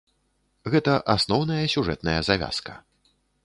Гэта асноўная сюжэтная завязка.